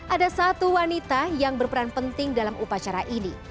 ada satu wanita yang berperan penting dalam upacara ini